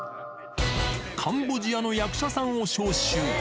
カンボジアの役者さんを招集。